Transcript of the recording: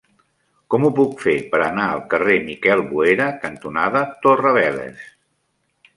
Com ho puc fer per anar al carrer Miquel Boera cantonada Torre Vélez?